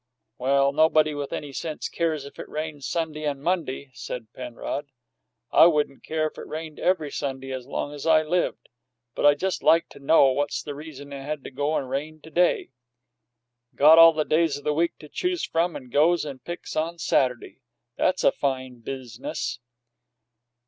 "Well, nobody with any sense cares if it rains Sunday and Monday," said Penrod. "I wouldn't care if it rained every Sunday as long as I lived; but I just like to know what's the reason it had to go and rain to day. Got all the days o' the week to choose from and goes and picks on Saturday. That's a fine biz'nuss!"